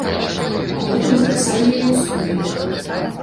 А потым запісаў яе ў студыі.